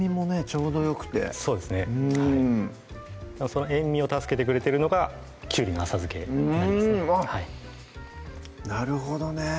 ちょうどよくてそうですねうんその塩みを助けてくれてるのがきゅうりの浅漬けになりますあっなるほどね